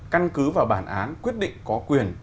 căn cứ vào bản án quyết định có quyền